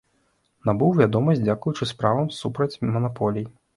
Набыў вядомасць дзякуючы справам супраць манаполій.